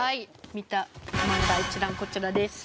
見た漫画一覧こちらです。